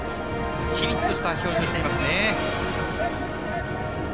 キリッとした表情をしていますね。